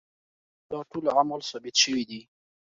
دا ټول اعمال ثابت شوي دي.